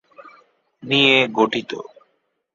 নিয়ে গঠিত।